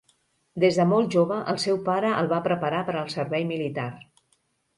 Des de molt jove el seu pare el va preparar per al servei militar.